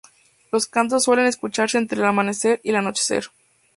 Los cantos suelen escucharse entre el amanecer y el anochecer.